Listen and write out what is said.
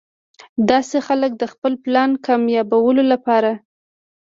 داسې خلک د خپل پلان کاميابولو د پاره